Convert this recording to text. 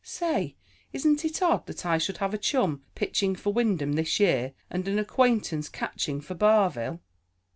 Say, isn't it odd that I should have a chum pitching for Wyndham this year and an acquaintance catching for Barville?"